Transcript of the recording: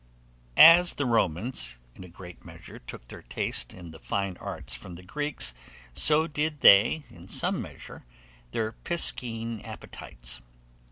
AS THE ROMANS, in a great measure, took their taste in the fine arts from the Greeks, so did they, in some measure, their piscine appetites.